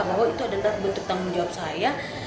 bahwa itu adalah bentuk tanggung jawab saya